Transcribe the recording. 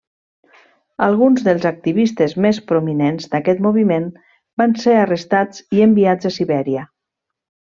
Alguns dels activistes més prominents d'aquest moviment van ser arrestats i enviats a Sibèria.